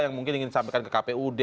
yang mungkin ingin disampaikan ke kpud